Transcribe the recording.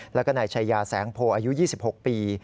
แล้วก็นายชายาแสงโพอายุ๒๖ปี